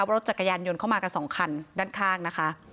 รถจักรยานยนต์เข้ามากันสองคันด้านข้างนะคะ